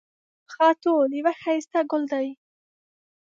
خاټول یو ښایسته ګل دی